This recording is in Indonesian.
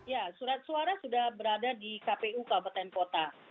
ya surat suara sudah berada di kpu kabupaten kota